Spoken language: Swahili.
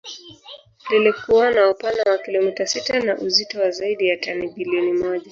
Liilikuwa na upana wa kilometa sita na uzito wa zaidi ya tani bilioni moja